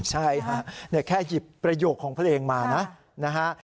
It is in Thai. ใช่แค่หยิบประโยคของพระเองมานะ